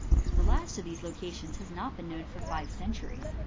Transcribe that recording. The last of these localities has not been known for five centuries.